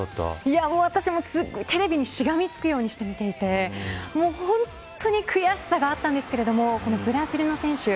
私もテレビにしがみつくようにして見ていて本当に悔しさがあったんですけれどもブラジルの選手